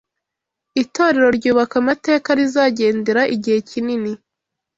Itorero ryubaka amateka rizagendera igihe kinini